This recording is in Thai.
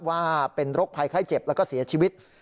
ว่าเป็นโรคภัยไข้เจ็บแล้วก็เสียชีวิต